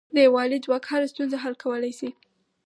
د یووالي ځواک هره ستونزه حل کولای شي.